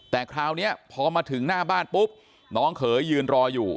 แต่คราวนี้พอมาถึงหน้าบ้านปุ๊บน้องเขยยืนรออยู่